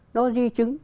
nó di chứng